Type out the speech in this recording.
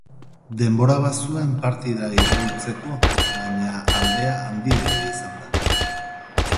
Denbora bazuen partida iraultzeko, baina aldea handiegia izan da.